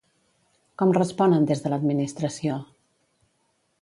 Com responen des de l'administració?